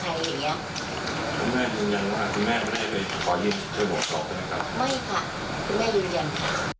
ไม่ค่ะคุณแม่ยืนยันค่ะ